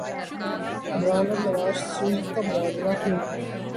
عمرا ن اور نواز شریف کا موازنہ کیوں نہیں